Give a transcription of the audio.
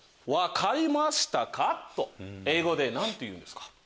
「わかりましたか？」と英語で何と言うんですか？